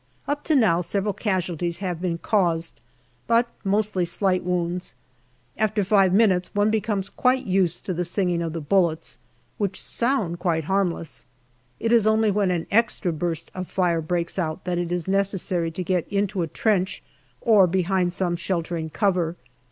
Up to now several casualties have been caused, but mostly slight wounds. After five minutes one becomes quite used to the singing of the bullets, which sound quite harmless. It is only when an extra burst of fire breaks out that it is necessary to get into a trench or behind some sheltering cover.